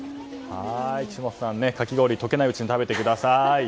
岸本さん、かき氷解けないうちに食べてください。